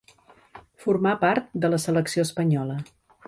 Formà part de la selecció espanyola.